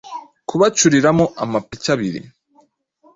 kubacuriramo amapiki abiri.